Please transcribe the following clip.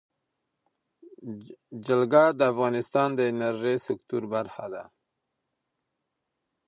جلګه د افغانستان د انرژۍ سکتور برخه ده.